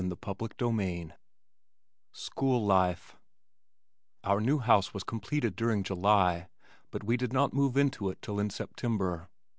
CHAPTER XI School Life Our new house was completed during July but we did not move into it till in September.